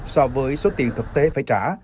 so với số tiền thực tế phải trả